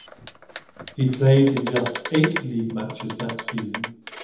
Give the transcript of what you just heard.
He played in just eight league matches that season.